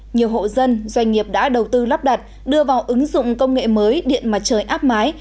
nhiều hộ dân doanh nghiệp đã đầu tư lắp đặt đưa vào ứng dụng công nghệ mới điện mặt trời áp mái